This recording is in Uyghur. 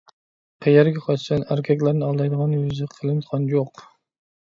قەيەرگە قاچىسەن، ئەركەكلەرنى ئالدايدىغان يۈزى قېلىن قانجۇق!